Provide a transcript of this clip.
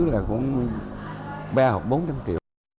là cũng ba hoặc bốn trăm triệu